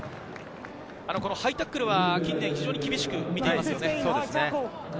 ハイタックルは近年非常に厳しく見ていますよね。